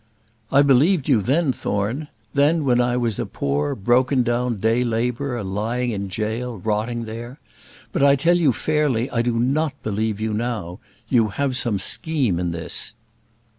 "I believed you then, Thorne; then, when I was a poor, broken down day labourer, lying in jail, rotting there; but I tell you fairly, I do not believe you now. You have some scheme in this."